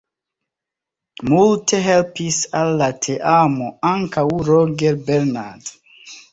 Multe helpis al la teamo ankaŭ Roger Bernard.